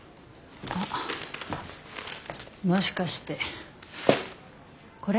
もしかしてこれ？